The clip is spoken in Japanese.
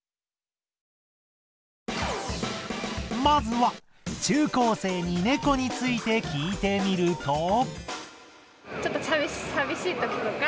まずは中高生にネコについて聞いてみると。